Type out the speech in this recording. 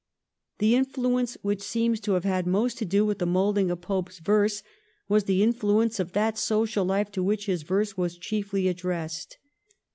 The influence which seems to have had most to do with the moulding of Pope's verse was the influence of that social life to which his verse was chiefly addressed.